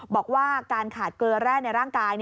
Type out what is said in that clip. บอกว่าการขาดเกลือแร่ในร่างกาย